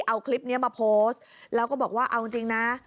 เอาคลิปนี้มาโพสต์แล้วก็บอกว่าเอาจริงนะ